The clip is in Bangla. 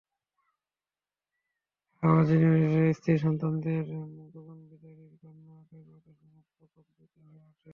হাওয়াযিনের স্ত্রী-সন্তানদের গগনবিদারী কান্না আকাশ-বাতাস প্রকম্পিত হয়ে ওঠে।